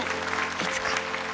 いつか。